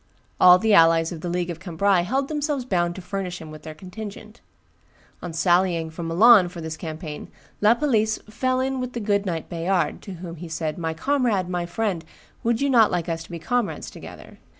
All the allies of the League of Cambrai held themselves bound to furnish him with their contingent. On sallying from Milan for this campaign, La Palisse "fell in with the good knight Bayard, to whom he said, 'My comrade, my friend, would you not like us to be comrades together?